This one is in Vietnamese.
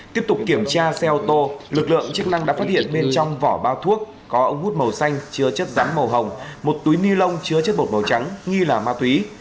tiếp tục kiểm tra xe ô tô lực lượng chức năng đã phát hiện bên trong vỏ bao thuốc có ống hút màu xanh chứa chất rắn màu hồng một túi ni lông chứa chất bột màu trắng nghi là ma túy